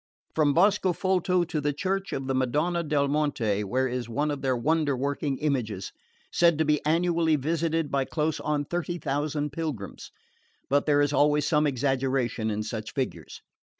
From Boscofolto to the church of the Madonna del Monte, where is one of their wonder working images, said to be annually visited by close on thirty thousand pilgrims; but there is always some exaggeration in such figures.